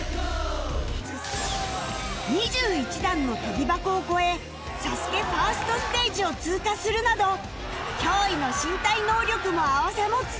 ２１段の跳び箱を越え『ＳＡＳＵＫＥ』ファーストステージを通過するなど驚異の身体能力も併せ持つ